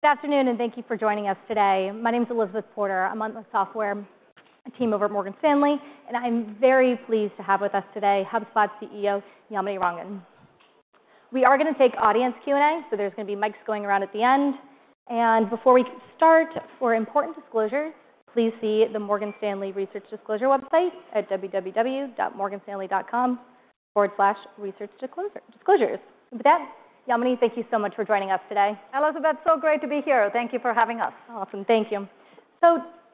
Good afternoon and thank you for joining us today. My name's Elizabeth Porter. I'm on the software team over at Morgan Stanley, and I'm very pleased to have with us today HubSpot CEO Yamini Rangan. We are going to take audience Q&A, so there's going to be mics going around at the end. Before we start, for important disclosures, please see the Morgan Stanley Research Disclosure website at www.morganstanley.com/researchdisclosures. With that, Yamini, thank you so much for joining us today. Elizabeth, so great to be here. Thank you for having us. Awesome, thank you.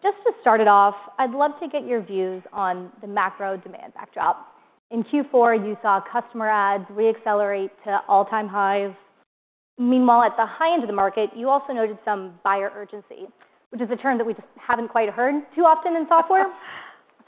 Just to start it off, I'd love to get your views on the macro demand backdrop. In Q4, you saw customer adds reaccelerate to all-time highs. Meanwhile, at the high end of the market, you also noted some buyer urgency, which is a term that we just haven't quite heard too often in software.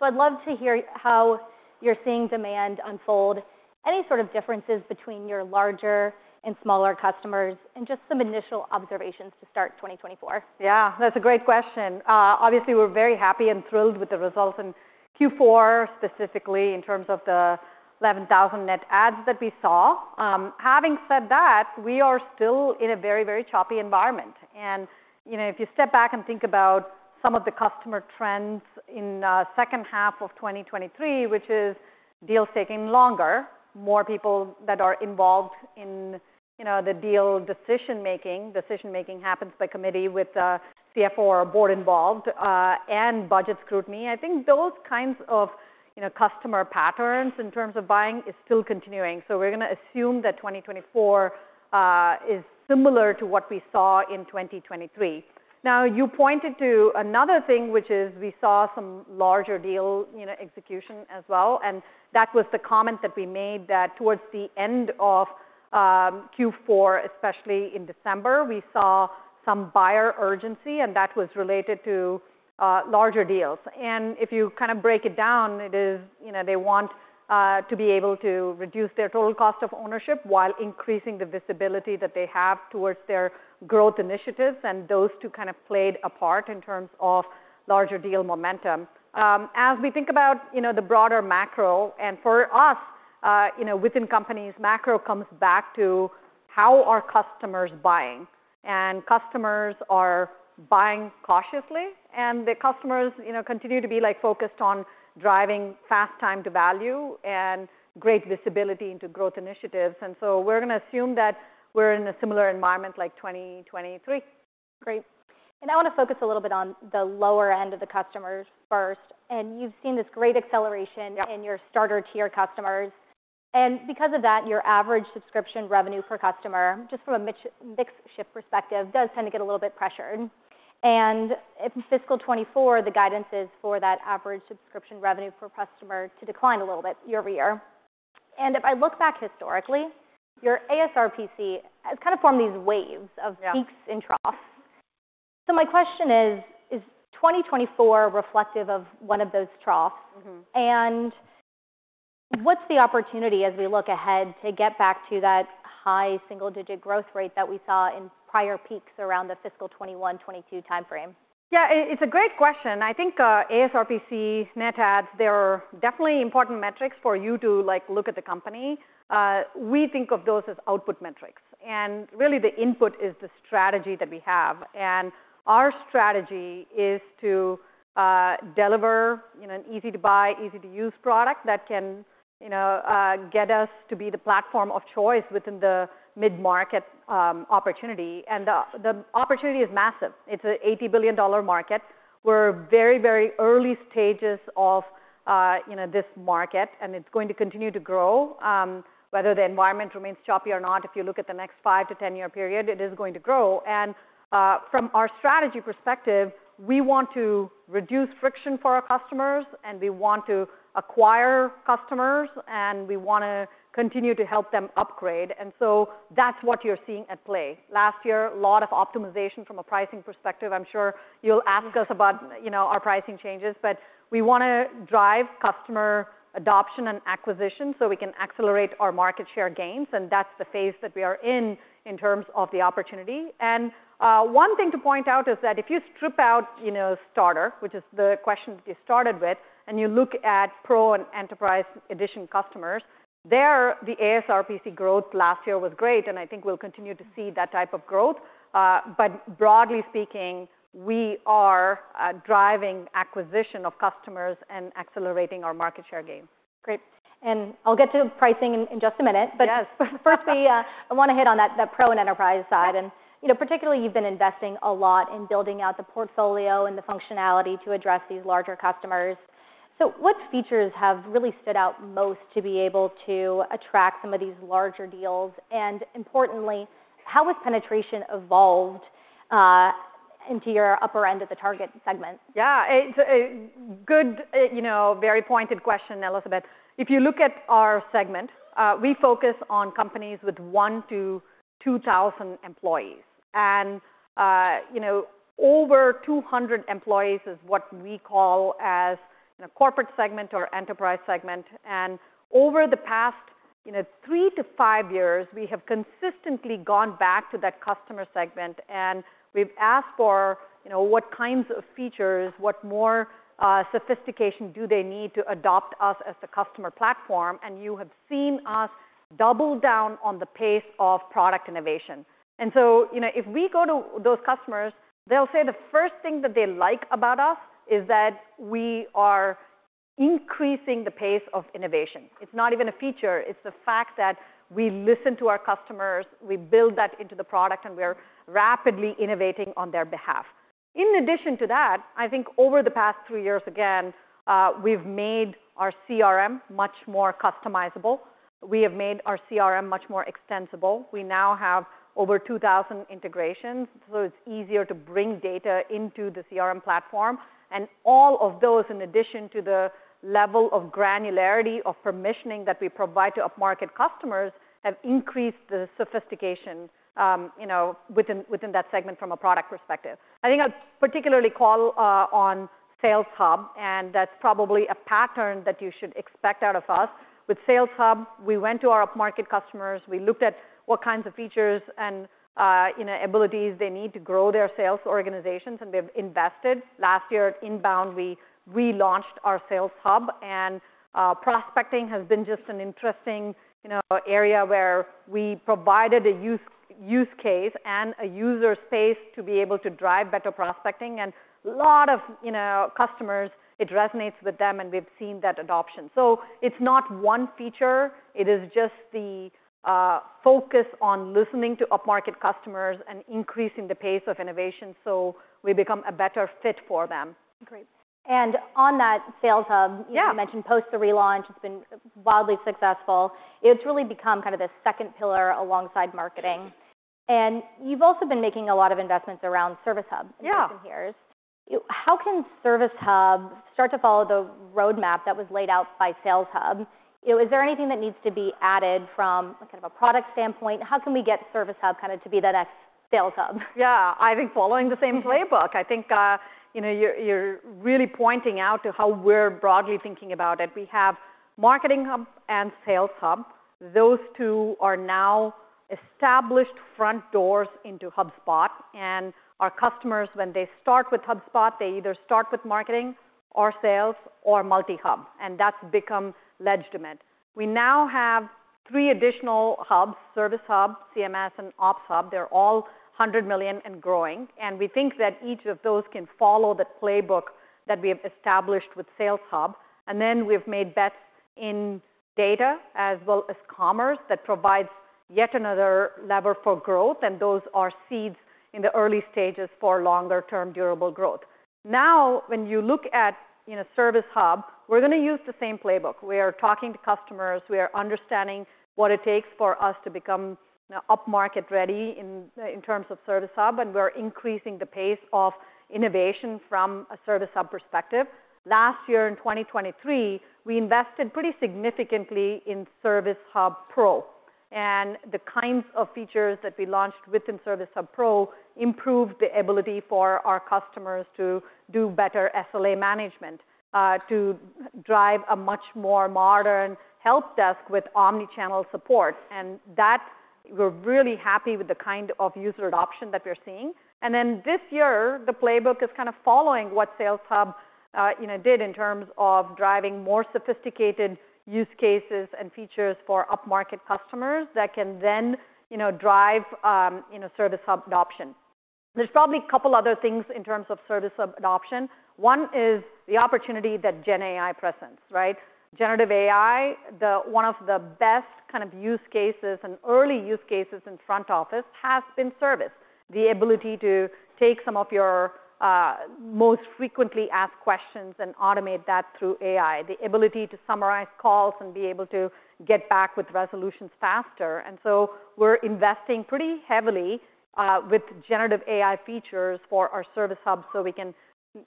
I'd love to hear how you're seeing demand unfold, any sort of differences between your larger and smaller customers, and just some initial observations to start 2024. Yeah, that's a great question. Obviously, we're very happy and thrilled with the results in Q4, specifically in terms of the 11,000 net adds that we saw. Having said that, we are still in a very, very choppy environment. You know, if you step back and think about some of the customer trends in the second half of 2023, which is deals taking longer, more people that are involved in, you know, the deal decision-making, decision-making happens by committee with the CFO or board involved, and budget scrutiny, I think those kinds of, you know, customer patterns in terms of buying are still continuing. So we're going to assume that 2024 is similar to what we saw in 2023. Now, you pointed to another thing, which is we saw some larger deal, you know, execution as well. That was the comment that we made that towards the end of Q4, especially in December, we saw some buyer urgency, and that was related to larger deals. If you kind of break it down, it is, you know, they want to be able to reduce their total cost of ownership while increasing the visibility that they have towards their growth initiatives. Those two kind of played a part in terms of larger deal momentum. As we think about, you know, the broader macro, and for us, you know, within companies, macro comes back to how are customers buying. Customers are buying cautiously, and the customers, you know, continue to be, like, focused on driving fast time to value and great visibility into growth initiatives. So we're going to assume that we're in a similar environment like 2023. Great. I want to focus a little bit on the lower end of the customers first. You've seen this great acceleration in your Starter-tier customers. Because of that, your average subscription revenue per customer, just from a mix-shift perspective, does tend to get a little bit pressured. In fiscal 2024, the guidance is for that average subscription revenue per customer to decline a little bit year-over-year. If I look back historically, your ASRPC has kind of formed these waves of peaks and troughs. So my question is, is 2024 reflective of one of those troughs? What's the opportunity, as we look ahead, to get back to that high single-digit growth rate that we saw in prior peaks around the fiscal 2021-2022 timeframe? Yeah, it's a great question. I think ASRPC net ads, they're definitely important metrics for you to, like, look at the company. We think of those as output metrics. Really, the input is the strategy that we have. Our strategy is to deliver, you know, an easy-to-buy, easy-to-use product that can, you know, get us to be the platform of choice within the mid-market opportunity. The opportunity is massive. It's an $80 billion market. We're very, very early stages of, you know, this market, and it's going to continue to grow. Whether the environment remains choppy or not, if you look at the next 5-10-year period, it is going to grow. From our strategy perspective, we want to reduce friction for our customers, and we want to acquire customers, and we want to continue to help them upgrade. That's what you're seeing at play. Last year, a lot of optimization from a pricing perspective. I'm sure you'll ask us about, you know, our pricing changes. But we want to drive customer adoption and acquisition so we can accelerate our market share gains. That's the phase that we are in in terms of the opportunity. One thing to point out is that if you strip out, you know, Starter, which is the question that you started with, and you look at Pro and Enterprise edition customers, there the ASRPC growth last year was great, and I think we'll continue to see that type of growth. But broadly speaking, we are driving acquisition of customers and accelerating our market share gains. Great. I'll get to pricing in just a minute. But first, I want to hit on that Pro and Enterprise side. You know, particularly, you've been investing a lot in building out the portfolio and the functionality to address these larger customers. So what features have really stood out most to be able to attract some of these larger deals? And importantly, how has penetration evolved into your upper end of the target segment? Yeah, it's a good, you know, very pointed question, Elizabeth. If you look at our segment, we focus on companies with 1,000-2,000 employees. And, you know, over 200 employees is what we call as, you know, corporate segment or enterprise segment. And over the past, you know, 3-5 years, we have consistently gone back to that customer segment. And we've asked for, you know, what kinds of features, what more sophistication do they need to adopt us as the customer platform? And you have seen us double down on the pace of product innovation. And so, you know, if we go to those customers, they'll say the first thing that they like about us is that we are increasing the pace of innovation. It's not even a feature. It's the fact that we listen to our customers, we build that into the product, and we are rapidly innovating on their behalf. In addition to that, I think over the past three years, again, we've made our CRM much more customizable. We have made our CRM much more extensible. We now have over 2,000 integrations, so it's easier to bring data into the CRM platform. And all of those, in addition to the level of granularity of permissioning that we provide to upmarket customers, have increased the sophistication, you know, within that segment from a product perspective. I think I'd particularly call on Sales Hub, and that's probably a pattern that you should expect out of us. With Sales Hub, we went to our upmarket customers, we looked at what kinds of features and, you know, abilities they need to grow their sales organizations, and we have invested. Last year, INBOUND, we relaunched our Sales Hub. Prospecting has been just an interesting, you know, area where we provided a use case and a workspace to be able to drive better prospecting. A lot of, you know, customers, it resonates with them, and we've seen that adoption. It's not one feature. It is just the focus on listening to upmarket customers and increasing the pace of innovation so we become a better fit for them. Great. And on that Sales Hub, you mentioned post the relaunch, it's been wildly successful. It's really become kind of the second pillar alongside marketing. And you've also been making a lot of investments around Service Hub in recent years. How can Service Hub start to follow the roadmap that was laid out by Sales Hub? Is there anything that needs to be added from kind of a product standpoint? How can we get Service Hub kind of to be the next Sales Hub? Yeah, I think following the same playbook. I think, you know, you're really pointing out how we're broadly thinking about it. We have Marketing Hub and Sales Hub. Those two are now established front doors into HubSpot. And our customers, when they start with HubSpot, they either start with marketing or sales or multi-hub, and that's become legitimate. We now have three additional hubs: Service Hub, CMS, and Ops Hub. They're all $100 million and growing. And we think that each of those can follow the playbook that we have established with Sales Hub. And then we've made bets in data as well as commerce that provides yet another lever for growth. And those are seeds in the early stages for longer-term durable growth. Now, when you look at, you know, Service Hub, we're going to use the same playbook. We are talking to customers. We are understanding what it takes for us to become upmarket-ready in terms of Service Hub, and we are increasing the pace of innovation from a Service Hub perspective. Last year, in 2023, we invested pretty significantly in Service Hub Pro. The kinds of features that we launched within Service Hub Pro improved the ability for our customers to do better SLA management, to drive a much more modern help desk with omnichannel support. That we're really happy with the kind of user adoption that we're seeing. Then this year, the playbook is kind of following what Sales Hub, you know, did in terms of driving more sophisticated use cases and features for upmarket customers that can then, you know, drive, you know, Service Hub adoption. There's probably a couple other things in terms of Service Hub adoption. One is the opportunity that GenAI presents, right? Generative AI, one of the best kind of use cases and early use cases in front office has been service, the ability to take some of your most frequently asked questions and automate that through AI, the ability to summarize calls and be able to get back with resolutions faster. And so we're investing pretty heavily with generative AI features for our Service Hub so we can,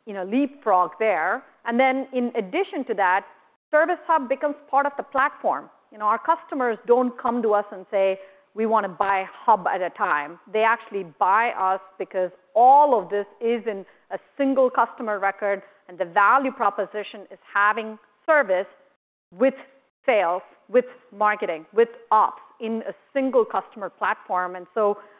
you know, leapfrog there. And then, in addition to that, Service Hub becomes part of the platform. You know, our customers don't come to us and say, "We want to buy a Hub at a time." They actually buy us because all of this is in a single customer record, and the value proposition is having Service with Sales, with Marketing, with Ops in a single customer platform.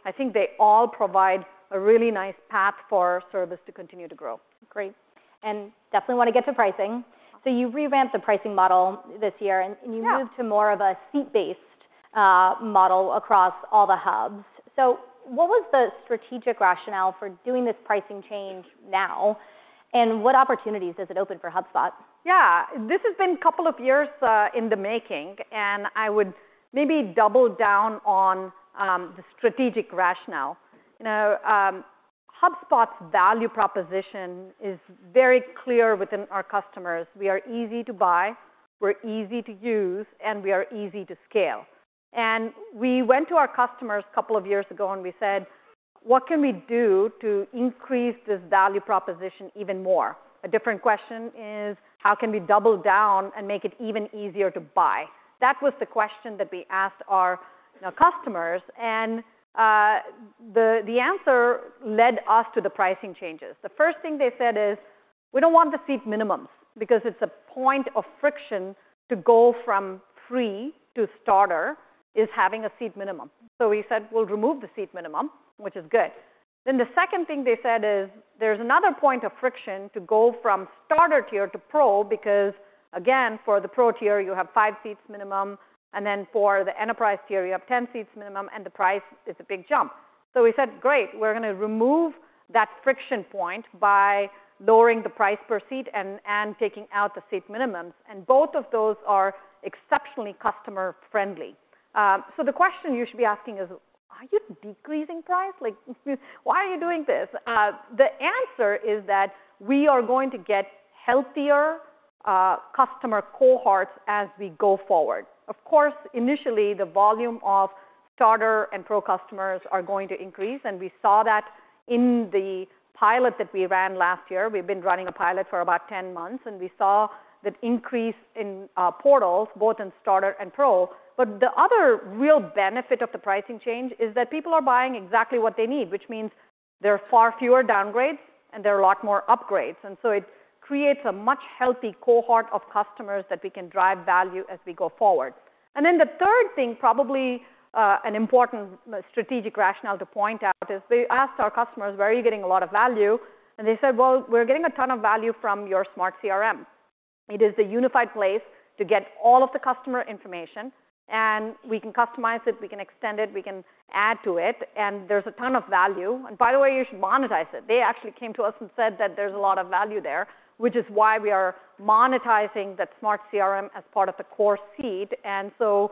I think they all provide a really nice path for service to continue to grow. Great. And definitely want to get to pricing. So you revamped the pricing model this year, and you moved to more of a seat-based model across all the hubs. So what was the strategic rationale for doing this pricing change now, and what opportunities does it open for HubSpot? Yeah, this has been a couple of years in the making, and I would maybe double down on the strategic rationale. You know, HubSpot's value proposition is very clear within our customers. We are easy to buy, we're easy to use, and we are easy to scale. And we went to our customers a couple of years ago, and we said, "What can we do to increase this value proposition even more?" A different question is, "How can we double down and make it even easier to buy?" That was the question that we asked our, you know, customers. And the answer led us to the pricing changes. The first thing they said is, "We don't want the seat minimums because it's a point of friction to go from Free to Starter is having a seat minimum." So we said, "We'll remove the seat minimum," which is good. Then the second thing they said is, "There's another point of friction to go from Starter tier to Pro because, again, for the Pro tier, you have 5 seats minimum. And then for the Enterprise tier, you have 10 seats minimum, and the price is a big jump." So we said, "Great, we're going to remove that friction point by lowering the price per seat and taking out the seat minimums." And both of those are exceptionally customer-friendly. So the question you should be asking is, "Are you decreasing price? Like, why are you doing this?" The answer is that we are going to get healthier customer cohorts as we go forward. Of course, initially, the volume of Starter and Pro customers is going to increase, and we saw that in the pilot that we ran last year. We've been running a pilot for about 10 months, and we saw that increase in portals, both in Starter and Pro. But the other real benefit of the pricing change is that people are buying exactly what they need, which means there are far fewer downgrades, and there are a lot more upgrades. And so it creates a much healthier cohort of customers that we can drive value as we go forward. And then the third thing, probably an important strategic rationale to point out, is we asked our customers, "Where are you getting a lot of value?" And they said, "Well, we're getting a ton of value from your Smart CRM. It is the unified place to get all of the customer information, and we can customize it, we can extend it, we can add to it, and there's a ton of value. And by the way, you should monetize it." They actually came to us and said that there's a lot of value there, which is why we are monetizing that Smart CRM as part of the core seat. And so,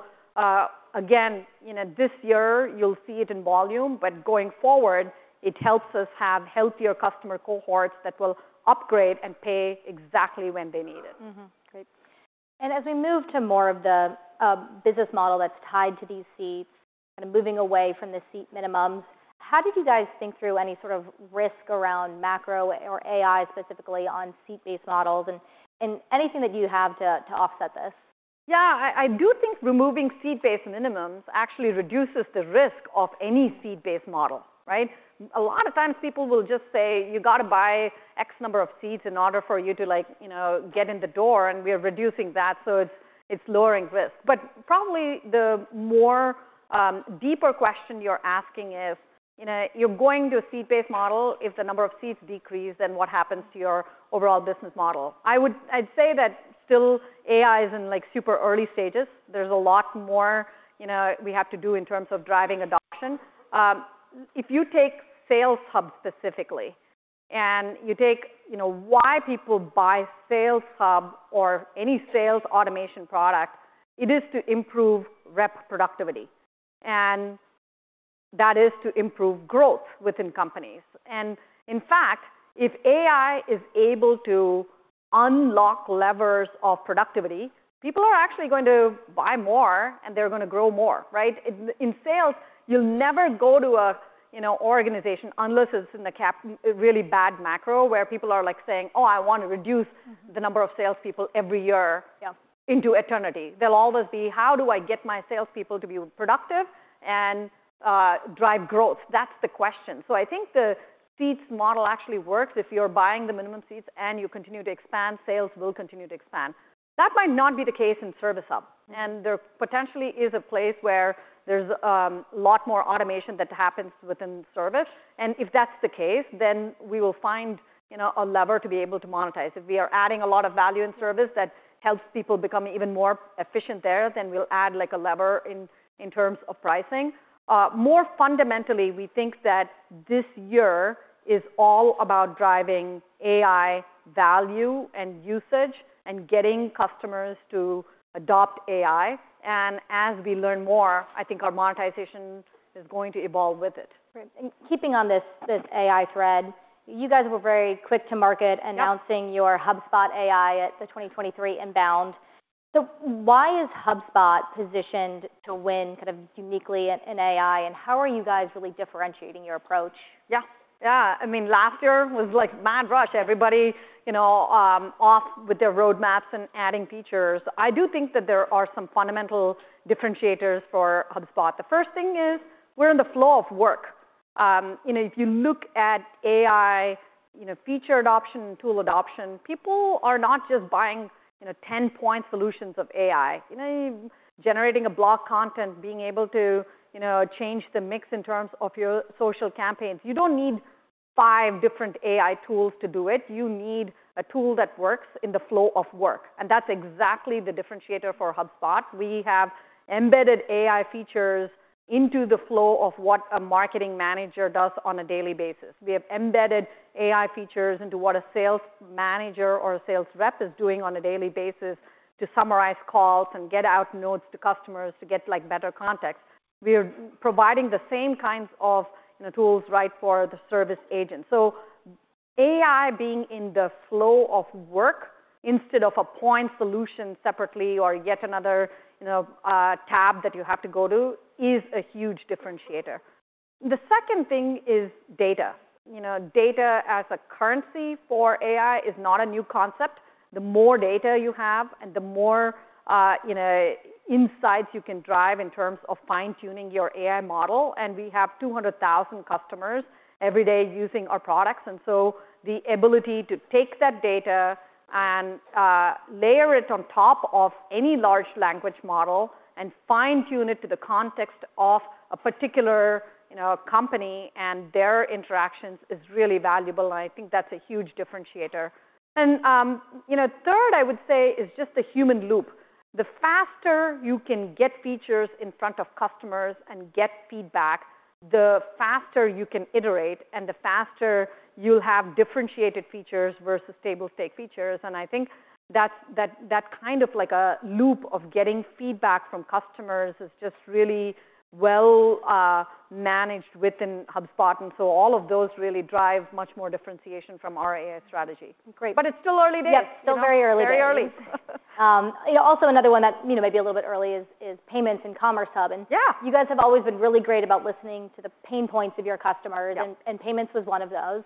again, you know, this year, you'll see it in volume, but going forward, it helps us have healthier customer cohorts that will upgrade and pay exactly when they need it. Great. As we move to more of the business model that's tied to these seats, kind of moving away from the seat minimums, how did you guys think through any sort of risk around macro or AI specifically on seat-based models and anything that you have to offset this? Yeah, I do think removing seat-based minimums actually reduces the risk of any seat-based model, right? A lot of times, people will just say, "You got to buy X number of seats in order for you to, like, you know, get in the door, and we are reducing that." So it's lowering risk. But probably the more deeper question you're asking is, you know, you're going to a seat-based model. If the number of seats decreases, then what happens to your overall business model? I would say that still, AI is in, like, super early stages. There's a lot more, you know, we have to do in terms of driving adoption. If you take Sales Hub specifically and you take, you know, why people buy Sales Hub or any sales automation product, it is to improve productivity. And that is to improve growth within companies. And in fact, if AI is able to unlock levers of productivity, people are actually going to buy more, and they're going to grow more, right? In sales, you'll never go to a, you know, organization unless it's in the really bad macro where people are, like, saying, "Oh, I want to reduce the number of salespeople every year into eternity." There'll always be, "How do I get my salespeople to be productive and drive growth?" That's the question. So I think the seats model actually works. If you're buying the minimum seats and you continue to expand, sales will continue to expand. That might not be the case in Service Hub. And there potentially is a place where there's a lot more automation that happens within service. And if that's the case, then we will find, you know, a lever to be able to monetize. If we are adding a lot of value in service that helps people become even more efficient there, then we'll add, like, a lever in terms of pricing. More fundamentally, we think that this year is all about driving AI value and usage and getting customers to adopt AI. As we learn more, I think our monetization is going to evolve with it. Great. Keeping on this AI thread, you guys were very quick to market announcing your HubSpot AI at the 2023 INBOUND. Why is HubSpot positioned to win kind of uniquely in AI, and how are you guys really differentiating your approach? Yeah, yeah. I mean, last year was like mad rush. Everybody, you know, off with their roadmaps and adding features. I do think that there are some fundamental differentiators for HubSpot. The first thing is we're in the flow of work. You know, if you look at AI, you know, feature adoption, tool adoption, people are not just buying, you know, 10-point solutions of AI. You know, generating a blog content, being able to, you know, change the mix in terms of your social campaigns. You don't need five different AI tools to do it. You need a tool that works in the flow of work. And that's exactly the differentiator for HubSpot. We have embedded AI features into the flow of what a marketing manager does on a daily basis. We have embedded AI features into what a sales manager or a sales rep is doing on a daily basis to summarize calls and get out notes to customers to get, like, better context. We are providing the same kinds of, you know, tools, right, for the service agents. So AI being in the flow of work instead of a point solution separately or yet another, you know, tab that you have to go to is a huge differentiator. The second thing is data. You know, data as a currency for AI is not a new concept. The more data you have and the more, you know, insights you can drive in terms of fine-tuning your AI model. We have 200,000 customers every day using our products. And so the ability to take that data and layer it on top of any large language model and fine-tune it to the context of a particular, you know, company and their interactions is really valuable. And I think that's a huge differentiator. And, you know, third, I would say is just the human loop. The faster you can get features in front of customers and get feedback, the faster you can iterate and the faster you'll have differentiated features versus table stakes features. And I think that's that kind of, like, a loop of getting feedback from customers is just really well managed within HubSpot. And so all of those really drive much more differentiation from our AI strategy. Great. But it's still early days. Yes, still very early days. Very early. You know, also another one that, you know, may be a little bit early is payments and Commerce Hub. And you guys have always been really great about listening to the pain points of your customers, and payments was one of those.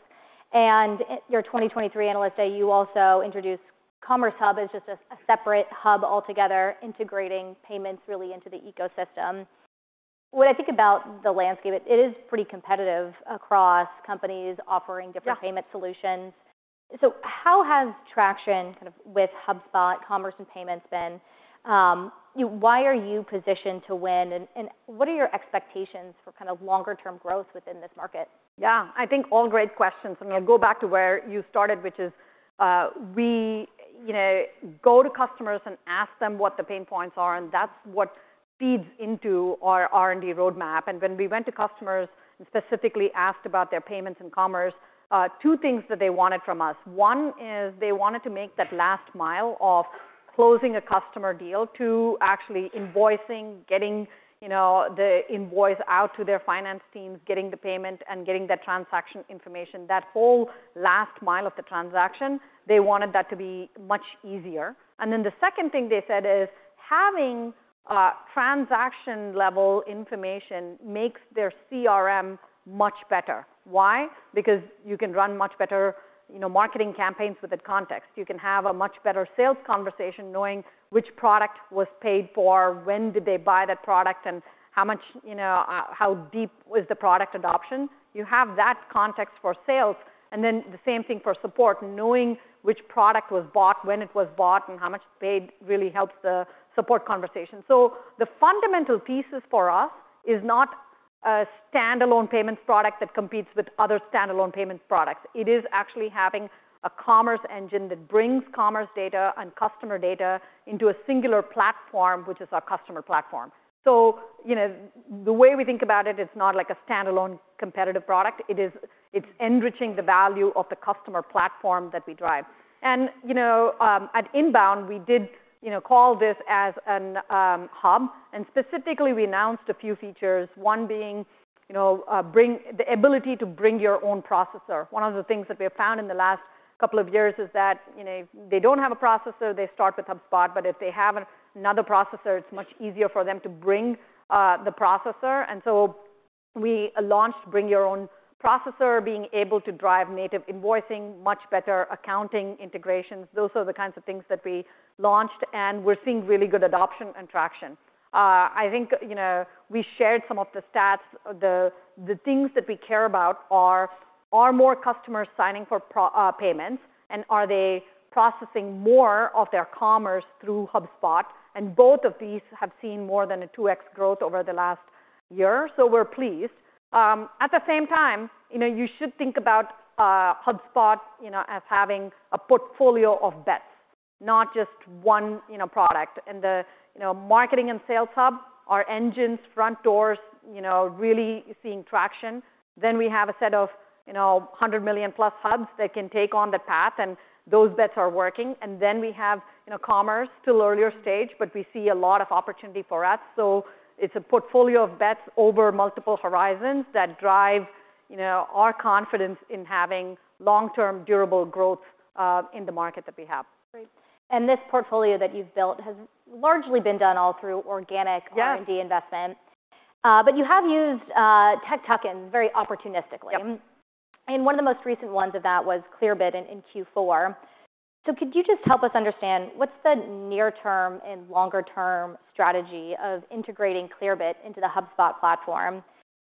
And your 2023 analyst day, you also introduced Commerce Hub as just a separate hub altogether, integrating payments really into the ecosystem. What I think about the landscape, it is pretty competitive across companies offering different payment solutions. So how has traction kind of with HubSpot Commerce and payments been? You know, why are you positioned to win, and what are your expectations for kind of longer-term growth within this market? Yeah, I think all great questions. And I'll go back to where you started, which is we, you know, go to customers and ask them what the pain points are, and that's what feeds into our R&D roadmap. And when we went to customers and specifically asked about their payments and commerce, two things that they wanted from us. One is they wanted to make that last mile of closing a customer deal to actually invoicing, getting, you know, the invoice out to their finance teams, getting the payment, and getting that transaction information. That whole last mile of the transaction, they wanted that to be much easier. And then the second thing they said is having transaction-level information makes their CRM much better. Why? Because you can run much better, you know, marketing campaigns with that context. You can have a much better sales conversation knowing which product was paid for, when did they buy that product, and how much, you know, how deep is the product adoption. You have that context for sales. And then the same thing for support, knowing which product was bought, when it was bought, and how much paid really helps the support conversation. So the fundamental pieces for us is not a standalone payments product that competes with other standalone payments products. It is actually having a commerce engine that brings commerce data and customer data into a singular platform, which is our customer platform. So, you know, the way we think about it, it's not like a standalone competitive product. It is it's enriching the value of the customer platform that we drive. And, you know, at INBOUND, we did, you know, call this as a hub. Specifically, we announced a few features, one being, you know, bring the ability to bring your own processor. One of the things that we have found in the last couple of years is that, you know, if they don't have a processor, they start with HubSpot. But if they have another processor, it's much easier for them to bring the processor. And so we launched Bring Your Own Processor, being able to drive native invoicing, much better accounting integrations. Those are the kinds of things that we launched, and we're seeing really good adoption and traction. I think, you know, we shared some of the stats. The things that we care about are are more customers signing for payments and are they processing more of their commerce through HubSpot. And both of these have seen more than a 2x growth over the last year, so we're pleased. At the same time, you know, you should think about HubSpot, you know, as having a portfolio of bets, not just one, you know, product. The, you know, Marketing and Sales Hub are engines, front doors, you know, really seeing traction. Then we have a set of, you know, 100 million-plus hubs that can take on that path, and those bets are working. Then we have, you know, Commerce, still earlier stage, but we see a lot of opportunity for us. So it's a portfolio of bets over multiple horizons that drive, you know, our confidence in having long-term, durable growth in the market that we have. Great. And this portfolio that you've built has largely been done all through organic R&D investment. But you have used tech tuck-ins very opportunistically. And one of the most recent ones of that was Clearbit in Q4. So could you just help us understand what's the near-term and longer-term strategy of integrating Clearbit into the HubSpot platform,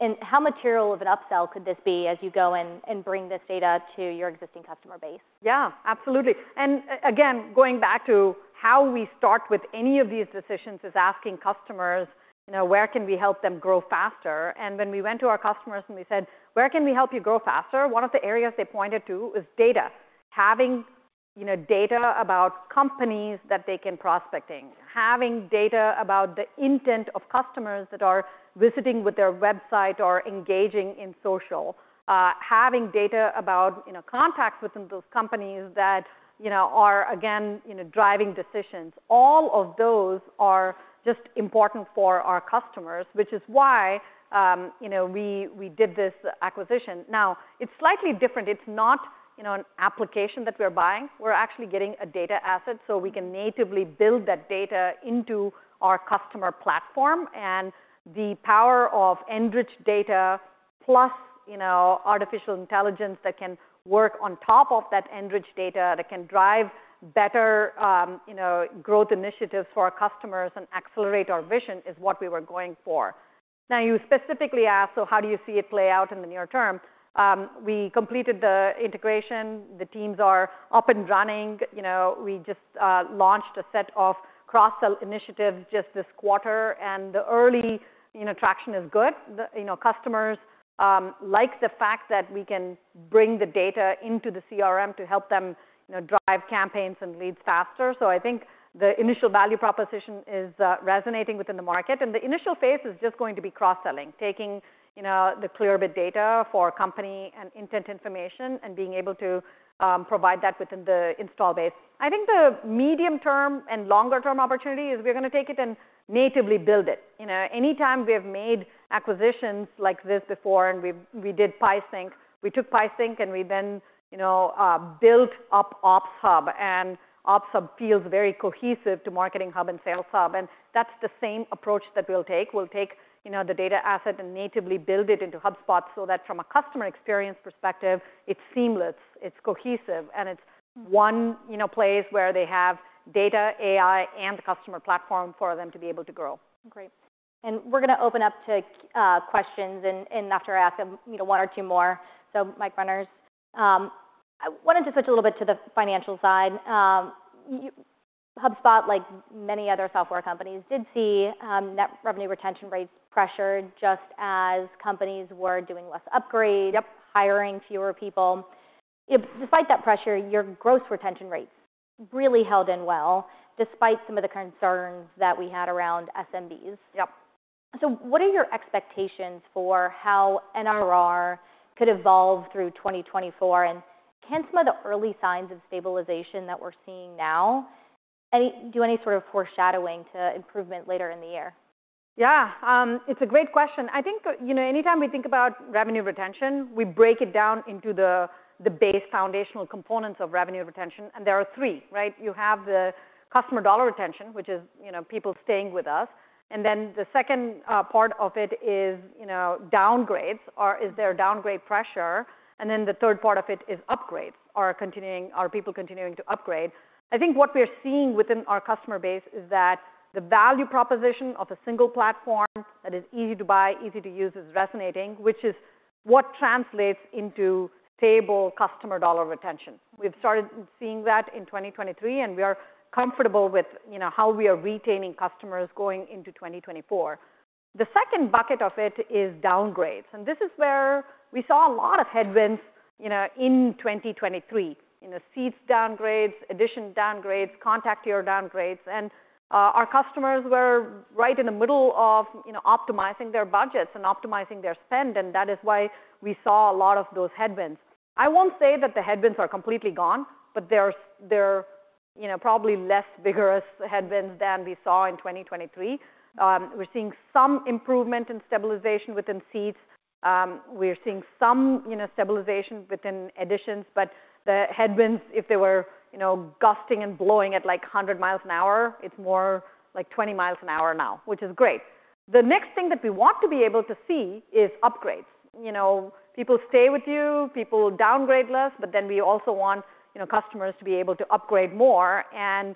and how material of an upsell could this be as you go in and bring this data to your existing customer base? Yeah, absolutely. And again, going back to how we start with any of these decisions is asking customers, you know, where can we help them grow faster? And when we went to our customers and we said, "Where can we help you grow faster?" One of the areas they pointed to is data. Having, you know, data about companies that they can prospecting, having data about the intent of customers that are visiting with their website or engaging in social, having data about, you know, contacts within those companies that, you know, are, again, you know, driving decisions. All of those are just important for our customers, which is why, you know, we did this acquisition. Now, it's slightly different. It's not, you know, an application that we are buying. We're actually getting a data asset so we can natively build that data into our customer platform. The power of enriched data plus, you know, artificial intelligence that can work on top of that enriched data that can drive better, you know, growth initiatives for our customers and accelerate our vision is what we were going for. Now, you specifically asked, "So how do you see it play out in the near term?" We completed the integration. The teams are up and running. You know, we just launched a set of cross-sell initiatives just this quarter, and the early, you know, traction is good. You know, customers like the fact that we can bring the data into the CRM to help them, you know, drive campaigns and leads faster. So I think the initial value proposition is resonating within the market. And the initial phase is just going to be cross-selling, taking, you know, the Clearbit data for company and intent information and being able to provide that within the installed base. I think the medium-term and longer-term opportunity is we're going to take it and natively build it. You know, anytime we have made acquisitions like this before, and we did PieSync, we took PieSync, and we then, you know, built up Ops Hub. And Ops Hub feels very cohesive to Marketing Hub and Sales Hub. And that's the same approach that we'll take. We'll take, you know, the data asset and natively build it into HubSpot so that from a customer experience perspective, it's seamless, it's cohesive, and it's one, you know, place where they have data, AI, and the customer platform for them to be able to grow. Great. And we're going to open up to questions, and after I ask one or two more. So, Mike Brennan, I wanted to switch a little bit to the financial side. HubSpot, like many other software companies, did see net revenue retention rates pressured just as companies were doing less upgrades, hiring fewer people. You know, despite that pressure, your gross retention rates really held in well despite some of the concerns that we had around SMBs. So what are your expectations for how NRR could evolve through 2024? And can some of the early signs of stabilization that we're seeing now do any sort of foreshadowing to improvement later in the year? Yeah, it's a great question. I think, you know, anytime we think about revenue retention, we break it down into the base foundational components of revenue retention. There are three, right? You have the customer dollar retention, which is, you know, people staying with us. Then the second part of it is, you know, downgrades or is there downgrade pressure? Then the third part of it is upgrades or continuing are people continuing to upgrade? I think what we are seeing within our customer base is that the value proposition of a single platform that is easy to buy, easy to use is resonating, which is what translates into stable customer dollar retention. We've started seeing that in 2023, and we are comfortable with, you know, how we are retaining customers going into 2024. The second bucket of it is downgrades. This is where we saw a lot of headwinds, you know, in 2023, you know, seats downgrades, edition downgrades, contact tier downgrades. Our customers were right in the middle of, you know, optimizing their budgets and optimizing their spend. That is why we saw a lot of those headwinds. I won't say that the headwinds are completely gone, but there are, you know, probably less vigorous headwinds than we saw in 2023. We're seeing some improvement in stabilization within seats. We are seeing some, you know, stabilization within editions. But the headwinds, if they were, you know, gusting and blowing at like 100 miles an hour, it's more like 20 miles an hour now, which is great. The next thing that we want to be able to see is upgrades. You know, people stay with you, people downgrade less, but then we also want, you know, customers to be able to upgrade more. And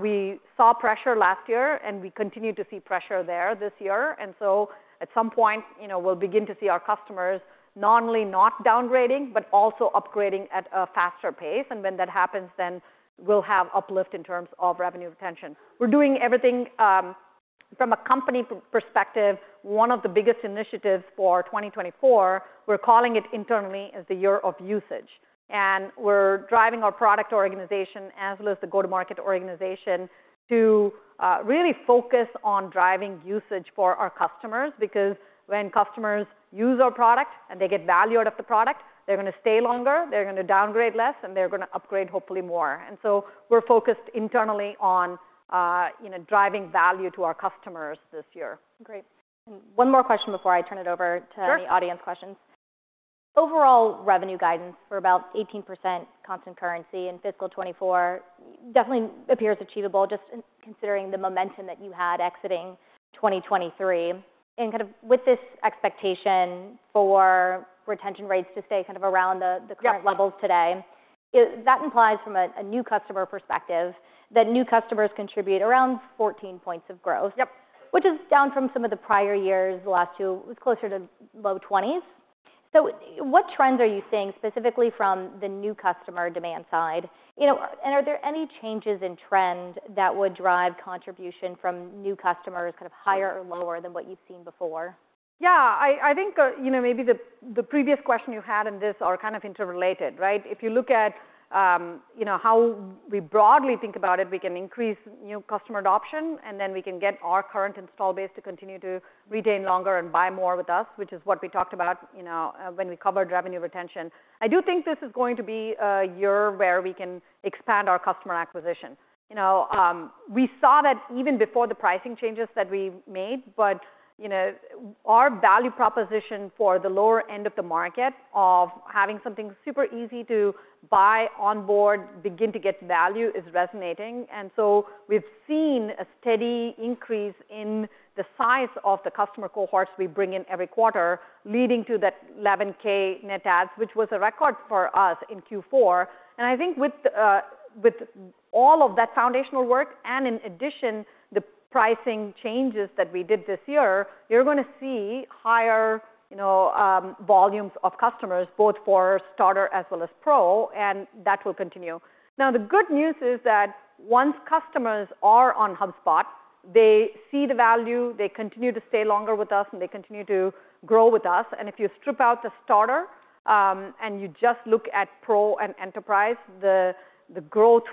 we saw pressure last year, and we continue to see pressure there this year. And so at some point, you know, we'll begin to see our customers not only not downgrading, but also upgrading at a faster pace. And when that happens, then we'll have uplift in terms of revenue retention. We're doing everything from a company perspective. One of the biggest initiatives for 2024, we're calling it internally as the year of usage. And we're driving our product organization as well as the go-to-market organization to really focus on driving usage for our customers. Because when customers use our product and they get value out of the product, they're going to stay longer, they're going to downgrade less, and they're going to upgrade hopefully more. We're focused internally on, you know, driving value to our customers this year. Great. And one more question before I turn it over to the audience questions. Overall revenue guidance for about 18% constant currency in fiscal 2024 definitely appears achievable, just considering the momentum that you had exiting 2023. And kind of with this expectation for retention rates to stay kind of around the current levels today, that implies from a new customer perspective that new customers contribute around 14 points of growth, which is down from some of the prior years. The last two was closer to low 20s. So what trends are you seeing specifically from the new customer demand side? You know, and are there any changes in trend that would drive contribution from new customers kind of higher or lower than what you've seen before? Yeah, I think, you know, maybe the previous question you had and this are kind of interrelated, right? If you look at, you know, how we broadly think about it, we can increase new customer adoption, and then we can get our current install base to continue to retain longer and buy more with us, which is what we talked about, you know, when we covered revenue retention. I do think this is going to be a year where we can expand our customer acquisition. You know, we saw that even before the pricing changes that we made, but, you know, our value proposition for the lower end of the market of having something super easy to buy, onboard, begin to get value is resonating. And so we've seen a steady increase in the size of the customer cohorts we bring in every quarter, leading to that 11,000 net adds, which was a record for us in Q4. And I think with all of that foundational work and in addition, the pricing changes that we did this year, you're going to see higher, you know, volumes of customers both for Starter as well as Pro, and that will continue. Now, the good news is that once customers are on HubSpot, they see the value, they continue to stay longer with us, and they continue to grow with us. And if you strip out the Starter and you just look at Pro and Enterprise, the growth,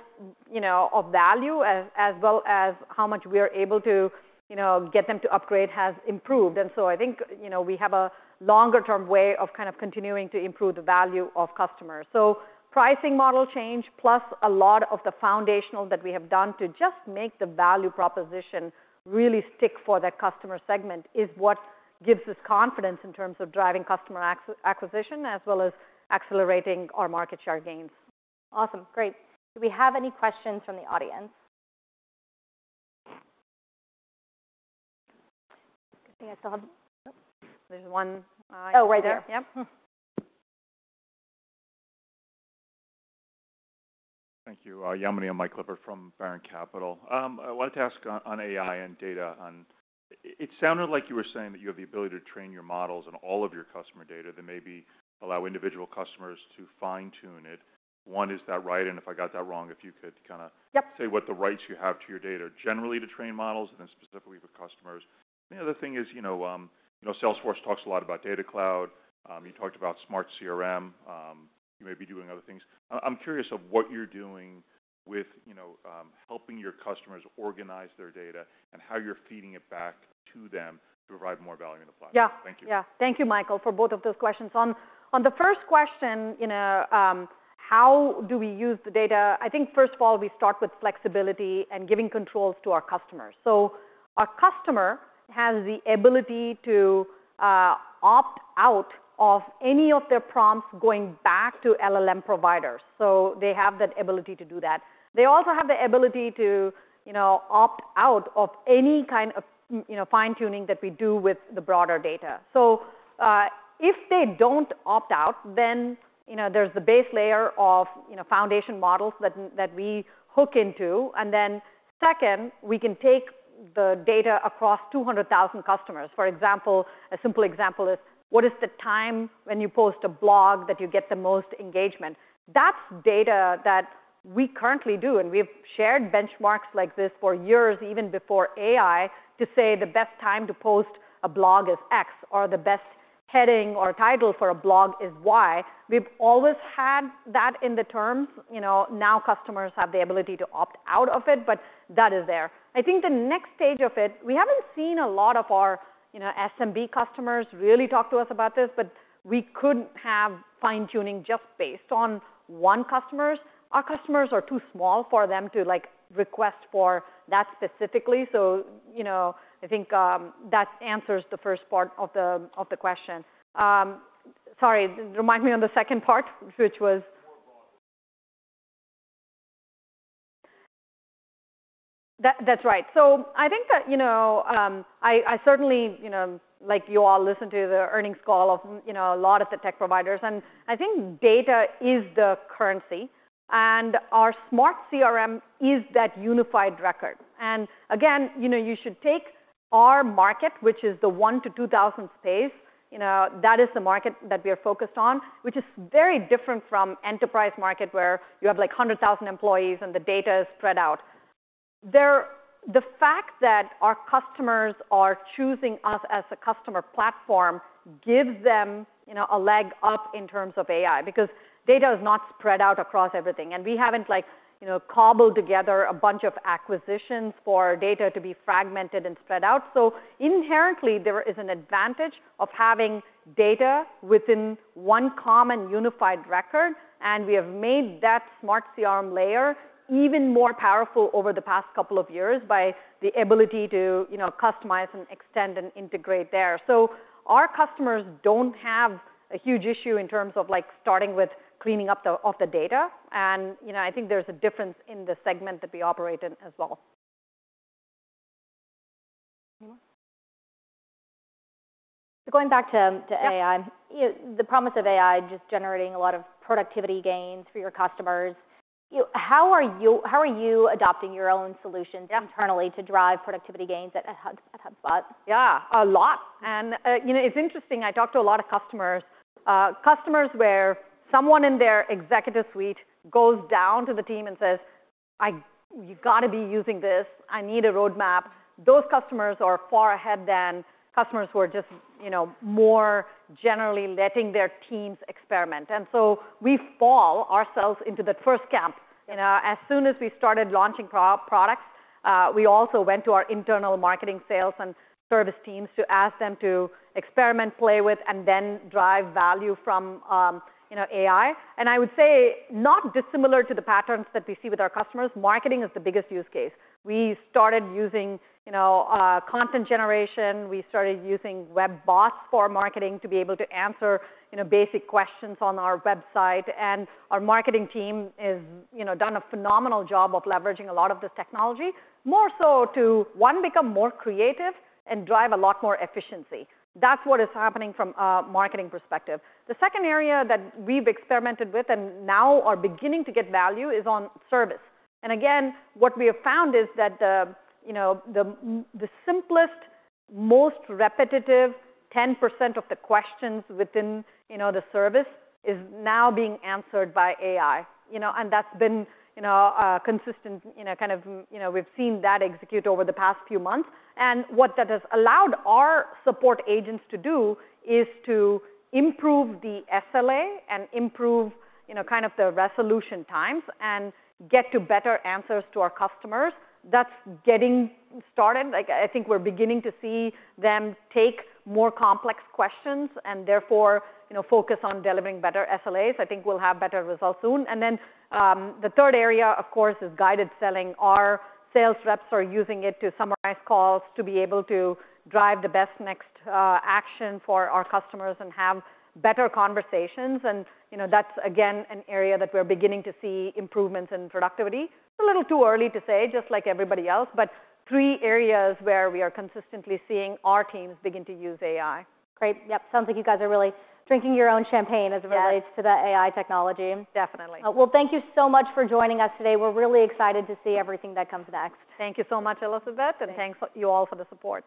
you know, of value as well as how much we are able to, you know, get them to upgrade has improved. I think, you know, we have a longer-term way of kind of continuing to improve the value of customers. Pricing model change plus a lot of the foundational that we have done to just make the value proposition really stick for that customer segment is what gives us confidence in terms of driving customer acquisition as well as accelerating our market share gains. Awesome. Great. Do we have any questions from the audience? Good thing I still have. There's one. Oh, right there. Yep. Thank you. Yamini and Mike Clifford from Baron Capital. I wanted to ask on AI and data on it sounded like you were saying that you have the ability to train your models on all of your customer data that maybe allow individual customers to fine-tune it. One, is that right? And if I got that wrong, if you could kind of say what the rights you have to your data generally to train models and then specifically for customers. And the other thing is, you know, Salesforce talks a lot about data cloud. You talked about Smart CRM. You may be doing other things. I'm curious of what you're doing with, you know, helping your customers organize their data and how you're feeding it back to them to provide more value in the platform. Yeah. Thank you. Yeah, thank you, Michael, for both of those questions. On the first question, you know, how do we use the data? I think first of all, we start with flexibility and giving controls to our customers. So our customer has the ability to opt out of any of their prompts going back to LLM providers. So they have that ability to do that. They also have the ability to, you know, opt out of any kind of, you know, fine-tuning that we do with the broader data. So if they don't opt out, then, you know, there's the base layer of, you know, foundation models that we hook into. And then second, we can take the data across 200,000 customers. For example, a simple example is what is the time when you post a blog that you get the most engagement? That's data that we currently do, and we have shared benchmarks like this for years, even before AI, to say the best time to post a blog is X or the best heading or title for a blog is Y. We've always had that in the terms. You know, now customers have the ability to opt out of it, but that is there. I think the next stage of it, we haven't seen a lot of our, you know, SMB customers really talk to us about this, but we couldn't have fine-tuning just based on one customer. Our customers are too small for them to, like, request for that specifically. So, you know, I think that answers the first part of the question. Sorry, remind me on the second part, which was. That's right. So I think that, you know, I certainly, you know, like you all listen to the earnings call of, you know, a lot of the tech providers. And I think data is the currency, and our Smart CRM is that unified record. And again, you know, you should take our market, which is the 1,000-2,000 space, you know, that is the market that we are focused on, which is very different from enterprise market where you have like 100,000 employees and the data is spread out. The fact that our customers are choosing us as a customer platform gives them, you know, a leg up in terms of AI because data is not spread out across everything. And we haven't, like, you know, cobbled together a bunch of acquisitions for data to be fragmented and spread out. Inherently, there is an advantage of having data within one common unified record. We have made that Smart CRM layer even more powerful over the past couple of years by the ability to, you know, customize and extend and integrate there. Our customers don't have a huge issue in terms of, like, starting with cleaning up the data. You know, I think there's a difference in the segment that we operate in as well. Anyone? So going back to AI, you know, the promise of AI just generating a lot of productivity gains for your customers. You know, how are you adopting your own solutions internally to drive productivity gains at HubSpot? Yeah, a lot. And, you know, it's interesting. I talk to a lot of customers, customers where someone in their executive suite goes down to the team and says, "You got to be using this. I need a roadmap." Those customers are far ahead than customers who are just, you know, more generally letting their teams experiment. And so we fall ourselves into that first camp. You know, as soon as we started launching products, we also went to our internal marketing, sales, and service teams to ask them to experiment, play with, and then drive value from, you know, AI. And I would say not dissimilar to the patterns that we see with our customers, marketing is the biggest use case. We started using, you know, content generation. We started using web bots for marketing to be able to answer, you know, basic questions on our website. Our marketing team has, you know, done a phenomenal job of leveraging a lot of this technology, more so to, one, become more creative and drive a lot more efficiency. That's what is happening from a marketing perspective. The second area that we've experimented with and now are beginning to get value is on service. What we have found is that the, you know, the simplest, most repetitive 10% of the questions within, you know, the service is now being answered by AI. You know, that's been, you know, consistent, you know, kind of, you know, we've seen that execute over the past few months. What that has allowed our support agents to do is to improve the SLA and improve, you know, kind of the resolution times and get to better answers to our customers. That's getting started. Like, I think we're beginning to see them take more complex questions and therefore, you know, focus on delivering better SLAs. I think we'll have better results soon. And then the third area, of course, is guided selling. Our sales reps are using it to summarize calls to be able to drive the best next action for our customers and have better conversations. And, you know, that's, again, an area that we're beginning to see improvements in productivity. It's a little too early to say, just like everybody else, but three areas where we are consistently seeing our teams begin to use AI. Great. Yep. Sounds like you guys are really drinking your own champagne as it relates to the AI technology. Definitely. Well, thank you so much for joining us today. We're really excited to see everything that comes next. Thank you so much, Elizabeth, and thank you all for the support.